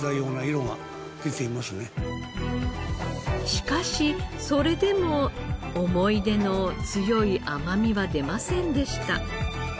しかしそれでも思い出の強い甘みは出ませんでした。